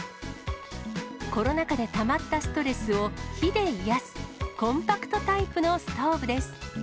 コロナ禍でたまったストレスを火で癒やす、コンパクトタイプのストーブです。